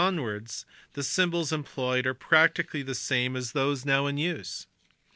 From 1500 onwards the symbols employed are practically the same as those now in use.